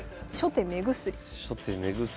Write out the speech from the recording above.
初手目薬。